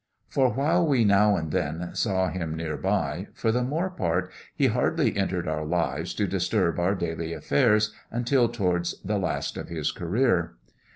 For while we now and then saw Him near by, for the more part He hardly entered our lives to disturb our daily affairs until towards the last of His career.